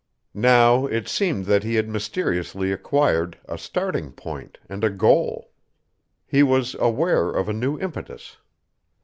Now it seemed that he had mysteriously acquired a starting point and a goal. He was aware of a new impetus.